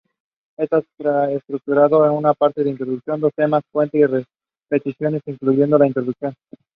He chaired several parliamentary committees.